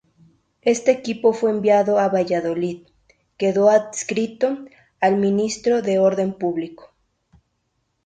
Este equipo fue enviado a Valladolid, quedando adscrito al Ministerio de Orden Público.